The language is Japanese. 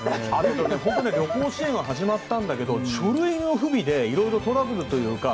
旅行支援は始まったんだけど書類の不備でいろいろトラブルというか